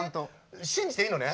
信じていいのね？